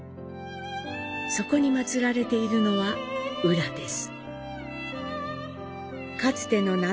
そこに祀られているのは温羅です。